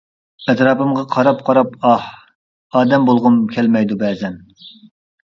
ئەتراپىمغا قاراپ-قاراپ ئاھ، ئادەم بولغۇم كەلمەيدۇ بەزەن.